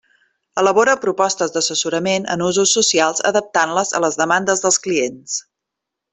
Elabora propostes d'assessorament en usos socials adaptant-les a les demandes dels clients.